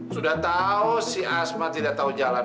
sudah tahu si asma tidak tahu jalan